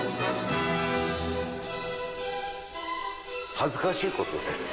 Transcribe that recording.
恥ずかしいことです。